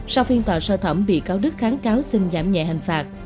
sau phiên tòa sơ thẩm bị cáo đức kháng cáo xin giảm nhẹ hình phạt